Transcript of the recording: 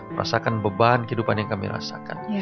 merasakan beban kehidupan yang kami rasakan